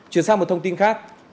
chuyển sang một thông tin khác